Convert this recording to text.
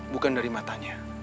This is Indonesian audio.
bukan dari matanya